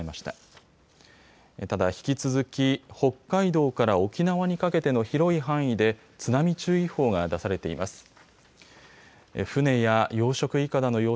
ただ引き続き、北海道から沖縄にかけての広い範囲で津波注意報が出されています。